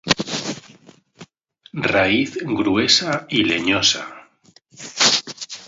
Raíz gruesa y leñosa.